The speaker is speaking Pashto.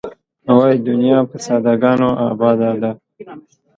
وایې دنیا په ساده ګانو آباده ده.